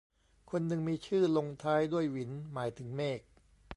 คนนึงมีชื่อลงท้ายด้วยหวิน หมายถึงเมฆ